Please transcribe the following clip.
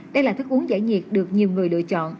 đây là thức uống giải nhiệt được nhiều người lựa chọn